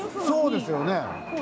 そうですよね。